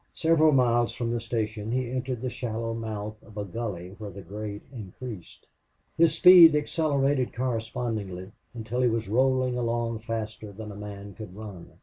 Several miles from the station he entered the shallow mouth of a gully where the grade increased. His speed accelerated correspondingly until he was rolling along faster than a man could run.